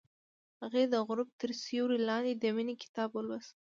هغې د غروب تر سیوري لاندې د مینې کتاب ولوست.